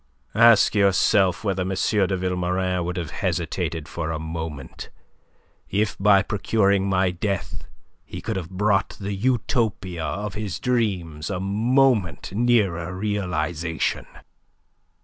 Ask yourself whether M. de Vilmorin would have hesitated for a moment if by procuring my death he could have brought the Utopia of his dreams a moment nearer realization.